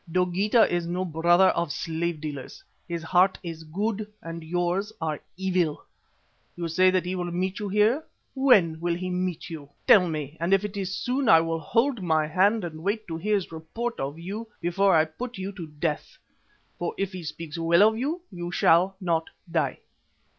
Dogeetah is no brother of slave dealers, his heart is good and yours are evil. You say that he will meet you here. When will he meet you? Tell me, and if it is soon, I will hold my hand and wait to hear his report of you before I put you to death, for if he speaks well of you, you shall not die."